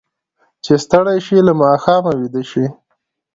چې ستړي شي، له ماښامه ویده شي.